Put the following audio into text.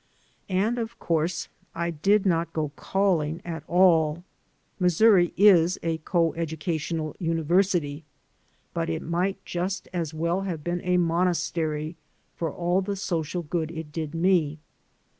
And, of course, I did not go calling at all. Missouri is a coeducational university, but it might just as I6 281 AN AMERICAN IN THE MAKING well have been a monastery, for all the social good it did me.